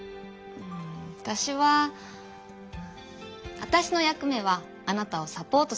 うんわたしはわたしの役目はあなたをサポートすることだから。